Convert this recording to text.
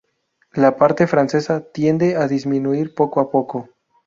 La parte francesa tiende a disminuir poco a poco.